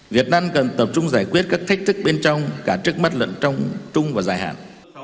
việt nam cần tập trung giải quyết các thách thức bên trong cả trước mắt lận trong trung và dài hạn